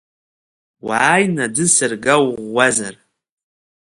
Уааины аӡы сырга уӷәӷәазар.